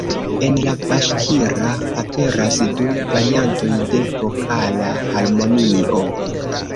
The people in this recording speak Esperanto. En la Baŝkira aperas du variantoj de vokala harmonio.